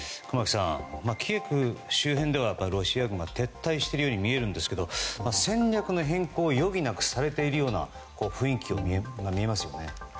駒木さん、キエフ周辺ではロシア軍が撤退しているように見えるんですが戦略の変更を余儀なくされている雰囲気も見えますよね。